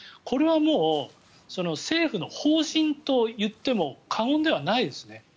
これはもう政府の方針と言っても過言ではないですね。